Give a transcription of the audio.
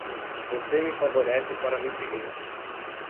Você me favorece para me seguir.